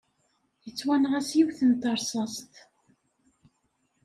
Yettwanɣa s yiwet n teṛṣast.